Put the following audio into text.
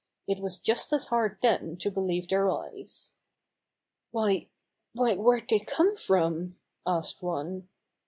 It was just as hard then to believe their eyes. "Why — ^v^hy where'd they come from?" asked one.